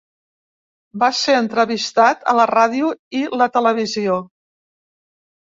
Va ser entrevistat a la ràdio i la televisió.